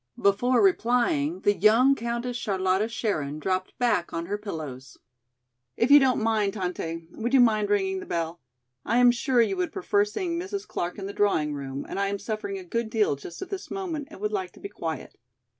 Before replying the young Countess Charlotta Scherin dropped back on her pillows. "If you don't mind, Tante, would you mind ringing the bell? I am sure you would prefer seeing Mrs. Clark in the drawing room and I am suffering a good deal just at this moment and would like to be quiet.